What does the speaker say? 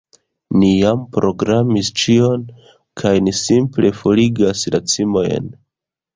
Ni jam programis ĉion kaj ni simple forigas la cimojn